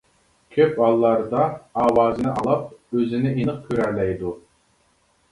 كۆپ ھاللاردا ئاۋازىنى ئاڭلاپ ئۆزىنى ئېنىق كۆرەلەيدۇ.